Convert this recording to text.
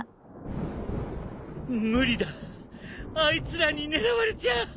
無理だあいつらに狙われちゃ。